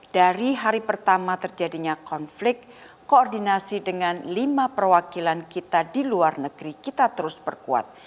dari hari pertama terjadinya konflik koordinasi dengan lima perwakilan kita di luar negeri kita terus perkuat